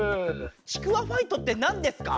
ちくわファイトって何ですか？